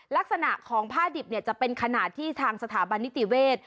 ลักษณะของผ้าดิบจะเป็นขนาดที่ทางสถาบันนิติเวศ